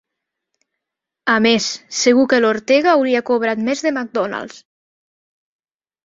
A més, segur que l'Ortega hauria cobrat més de McDonalds.